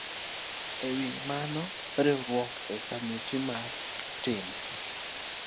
E wi mano, riwruok e kind komiti mar timb